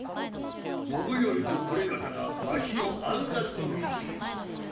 信頼と惟方がわしの暗殺の密議を？